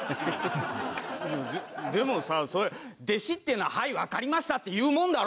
ででもさそれ弟子っていうのは「はいわかりました」って言うもんだろ？